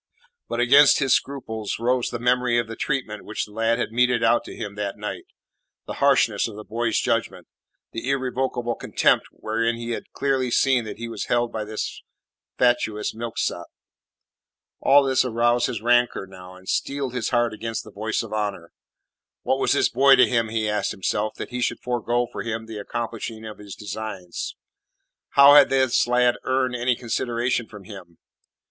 But against his scruples rose the memory of the treatment which the lad had meted out to him that night; the harshness of the boy's judgment; the irrevocable contempt wherein he had clearly seen that he was held by this fatuous milksop. All this aroused his rancour now, and steeled his heart against the voice of honour. What was this boy to him, he asked himself, that he should forego for him the accomplishing of his designs? How had this lad earned any consideration from him?